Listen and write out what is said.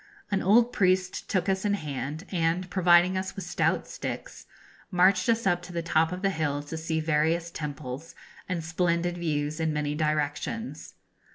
An old priest took us in hand, and, providing us with stout sticks, marched us up to the top of the hill to see various temples, and splendid views in many directions.